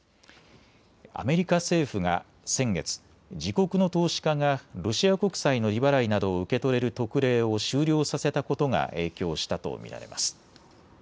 アメリカ政府が先月、自国の投資家がロシア国債の利払いなどを受け取れる特例を終了させたことが影響したと見られます。